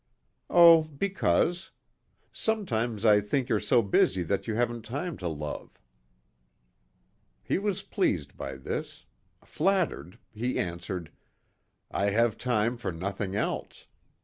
"Oh because. Sometimes I think you're so busy that you haven't time to love." He was pleased by this. Flattered, he answered: "I have time for nothing else.